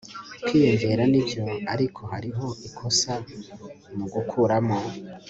kwiyongera nibyo, ariko hariho ikosa mugukuramo